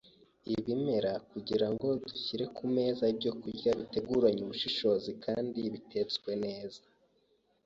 ibimera kugira ngo dushyire ku meza ibyokurya biteguranywe ubushishozi, kandi bitetswe neza